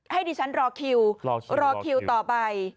ให้ดิฉันรอคิวรอคิวต่อไป